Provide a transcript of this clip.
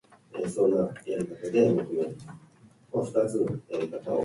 わかったよ